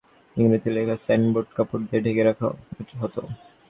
ফেব্রুয়ারি মাসে অনেক দোকানের ইংরেজিতে লেখা সাইনবোর্ড কাপড় দিয়ে ঢেকে রাখা হতো।